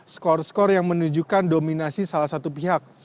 skor skor yang menunjukkan dominasi salah satu pihak